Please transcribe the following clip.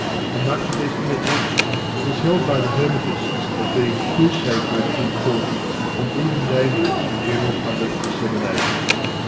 And much of these Inner Teachings is held by the Hermetists as being too sacred, important and even dangerous for general public dissemination.